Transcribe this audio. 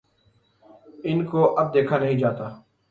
ان کو اب دیکھا نہیں جاتا۔